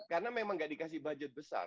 karena memang tidak dikasih budget besar